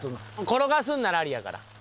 転がすんやらありやから。